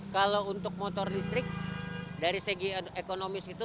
kalau untuk motor listrik dari segi ekonomis itu